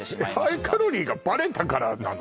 ハイカロリーがバレたからなの？